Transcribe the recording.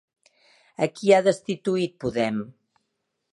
A qui ha destituït Podem?